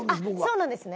そうなんですね。